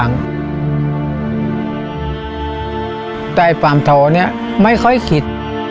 ในฝั่งโทข์นี้ไม่ค่อยคิด